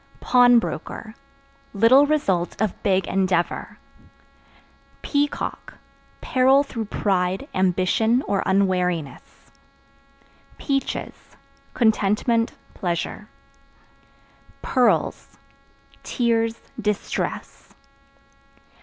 Pawnbroker Little result of big endeavor. Peacock Peril through pride, ambition or unwariness. Peaches Contentment, pleasure. Pearls Tears, distress.